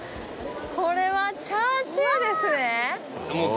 これはチャーシューですね。